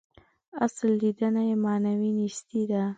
اصل لېدنه یې معنوي نیستي ده.